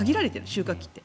収穫期って。